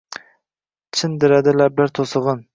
Cindiradi lablar toʼsigʼin